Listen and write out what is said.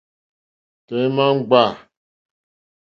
Tɔ̀ímá ŋɡbâ.